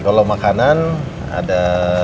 kalau makanan ada